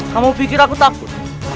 kamu pikir aku takut